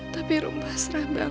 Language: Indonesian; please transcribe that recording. tapi rumah asrah bang